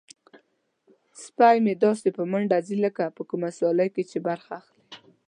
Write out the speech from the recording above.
سپی مې داسې په منډه ځي لکه په کومه سیالۍ کې چې برخه اخلي.